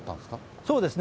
そうですね。